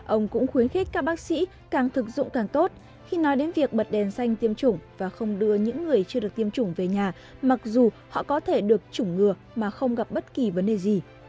ông cũng khuyến khích các bác sĩ càng thực dụng càng tốt khi nói đến việc bật đèn xanh tiêm chủng và không đưa những người chưa được tiêm chủng về nhà mặc dù họ có thể được chủng ngừa mà không gặp bất kỳ vấn đề gì